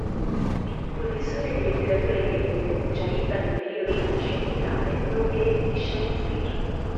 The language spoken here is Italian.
Professore di letteratura inglese, specialista del periodo rinascimentale nonché di Shakespeare.